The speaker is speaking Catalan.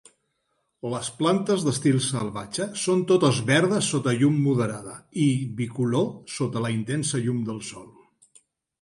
Les plantes d'estil salvatge són totes verdes sota llum moderada i bicolor sota la intensa llum del sol.